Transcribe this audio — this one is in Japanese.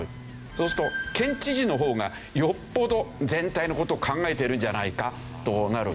そうすると県知事の方がよっぽど全体の事を考えてるんじゃないかとなる。